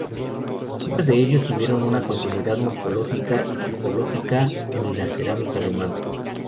Muchos de ellos tuvieron una continuidad morfológica y tipológica en la cerámica romana.